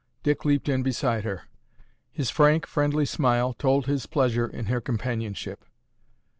Dick leaped in beside her. His frank, friendly smile told his pleasure in her companionship.